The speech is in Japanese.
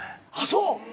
そう？